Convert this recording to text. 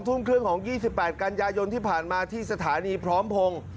ทุ่มครึ่งของ๒๘กันยายนที่ผ่านมาที่สถานีพร้อมพงศ์